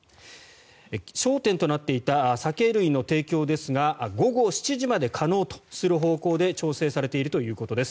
焦点となっていた酒類の提供ですが午後７時まで可能とする方向で調整されているということです。